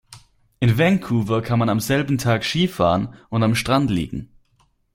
In Vancouver kann man am selben Tag Ski fahren und am Strand liegen.